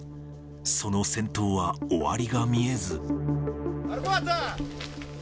その戦闘は終わりが見えず。